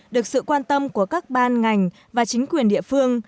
được sự quan tâm của các ban ngành và chính quyền địa phương